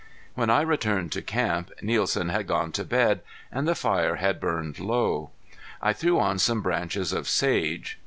When I returned to camp Nielsen had gone to bed and the fire had burned low. I threw on some branches of sage.